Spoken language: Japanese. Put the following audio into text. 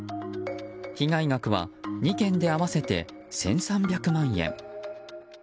被害額は２件で合わせて１３００万円。